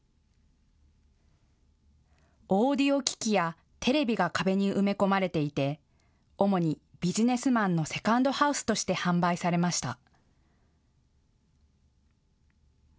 オーディオ機器やテレビが壁に埋め込まれていて、主にビジネスマンのセカンドハウスとして販売されました。